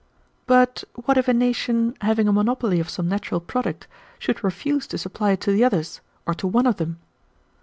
"But what if a nation, having a monopoly of some natural product, should refuse to supply it to the others, or to one of them?"